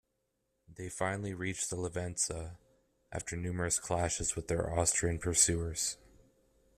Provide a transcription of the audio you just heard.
They finally reached the Livenza after numerous clashes with their Austrian pursuers.